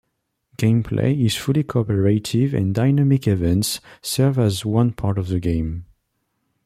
Gameplay is fully cooperative and dynamic events serve as one part of the game.